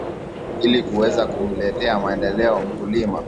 ili kuweza kumletea maendeleo mkulima